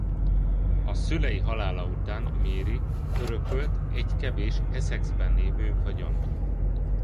A szülei halála után Mary örökölt egy kevés Essexben lévő vagyont.